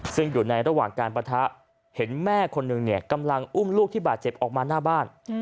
ซึ่งอยู่ในระหว่างการปะทะเห็นแม่คนหนึ่งเนี่ยกำลังอุ้มลูกที่บาดเจ็บออกมาหน้าบ้าน